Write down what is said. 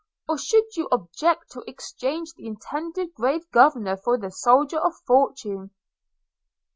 – Or should you object to exchange the intended grave Governor for the Soldier of fortune?'